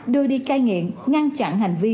đưa đi cai nghiện ngăn chặn hành vi